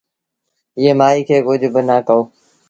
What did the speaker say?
ايٚئي مآئيٚ کي ڪجھ با نآ ڪهو